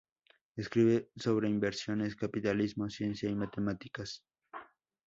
Escribe sobre inversiones, capitalismo, ciencia y matemáticas.